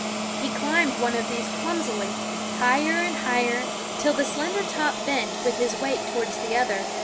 He climbed one of these clumsily, higher and higher, till the slender top bent with his weight towards the other.